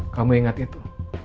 kamu ingat itu